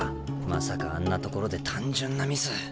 まさかあんなところで単純なミス。